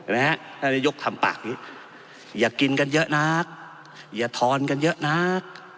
ท่านนายกทำปากนี้อย่ากินกันเยอะนักอย่าทอนกันเยอะนัก